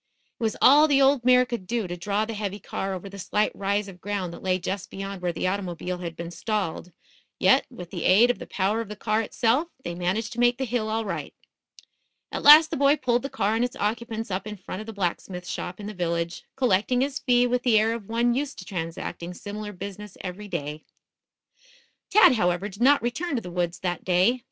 It was all the old mare could do to draw the heavy car over the slight rise of ground that lay just beyoud where the automobile had been stalled; yet, with the aid of the power of the car itself, they managed to make the hill all right. At last the boy pulled the car and its occupants up in front of the blacksmith shop in the village, collecting his fee with the air of one used to transacting similar business every day. Tad, however, did not return to the woods that day.